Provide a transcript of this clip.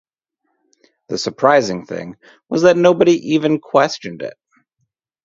The surprising thing was that nobody even questioned it.